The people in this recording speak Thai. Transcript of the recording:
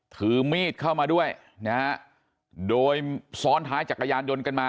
ถือมีดเข้ามาด้วยนะฮะโดยซ้อนท้ายจักรยานยนต์กันมา